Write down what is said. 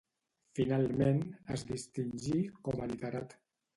Finalment es distingí com a literat.